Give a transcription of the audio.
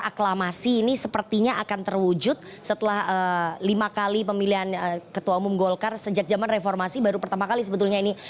aklamasi ini sepertinya akan terwujud setelah lima kali pemilihan ketua umum golkar sejak zaman reformasi baru pertama kali sebetulnya ini